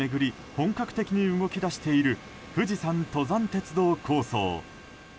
本格的に動き出している富士山登山鉄道構想。